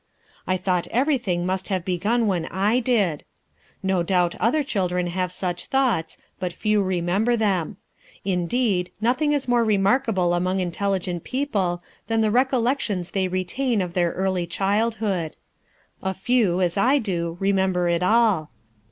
I thought everything must have begun when I did.... No doubt other children have such thoughts, but few remember them. Indeed, nothing is more remarkable among intelligent people than the recollections they retain of their early childhood. A few, as I do, remember it all.